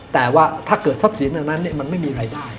แต่ว่าถ้าเกิดทรัพย์สินแบบนั้นมันไม่มีรายได้